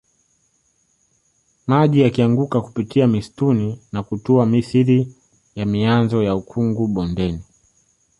Maji yakianguka kupitia msituni na kutua mithili ya mianzo ya ukungu bondeni